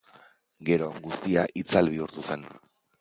Gero guztia itzal bihurtu zen.